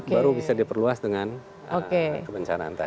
baru bisa diperluas dengan kebencanaan tadi